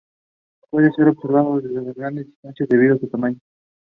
The protein has orthologs with high percent similarity in mammals.